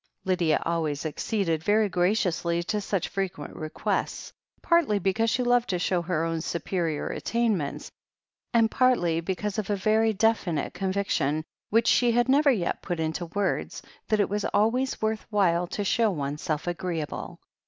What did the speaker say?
Lydia always acceded very graciously to such fre quent requests, partly because she loved to show her own superior attainments, and partly because of a very definite conviction, which she had never yet put into words, that it was always worth while to show oneself agreeable.